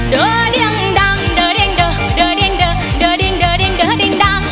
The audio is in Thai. เดอเด็งดังเดอเด็งเดอเดอเด็งเดอเดอเด็งเดอเด็งเดอเด็งดัง